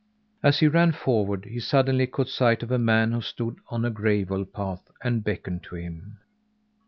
As he ran forward, he suddenly caught sight of a man who stood on a gravel path and beckoned to him.